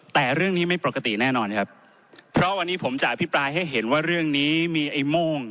แต่เรื่องนี้ไม่ปกติแน่นอนครับเพราะวันนี้ผมจะอภิปรายให้เห็นว่าเรื่องนี้มีไอ้โม่ง